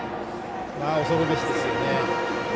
恐るべしですよね。